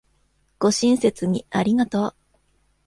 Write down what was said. ご親切にありがとう